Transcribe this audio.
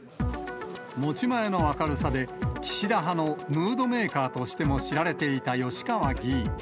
持ち前の明るさで、岸田派のムードメーカーとしても知られていた吉川議員。